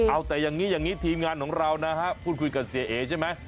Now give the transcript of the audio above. เอาแต่อย่างนี้ทีมงานของเราพูดคุยกับเสียเอ๋ใช่ไหม